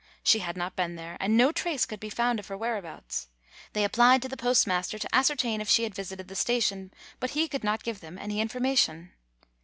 She had not been there, and no trace could be found of her whereabouts. They applied to the postmaster to ascertain if she had visited the station, but he could not give them any information.